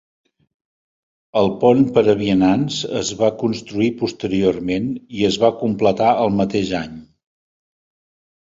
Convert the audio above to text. El pont per a vianants es va construir posteriorment i es va completar el mateix any.